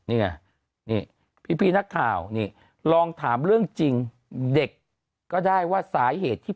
นี่ไงนี่พี่นักข่าวนี่ลองถามเรื่องจริงเด็กก็ได้ว่าสาเหตุที่